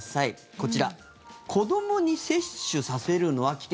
こちら子どもに接種させるのは危険？